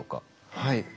はい。